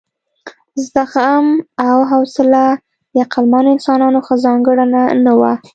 زغم او حوصله د عقلمنو انسانانو ښه ځانګړنه نه وه.